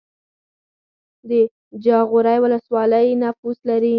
د جاغوری ولسوالۍ نفوس لري